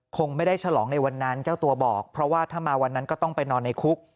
คงไม่ได้ฉลองในวันนั้นเจ้าตัวบอกเพราะว่าถ้ามาวันนั้นก็ต้องไปนอนในคุก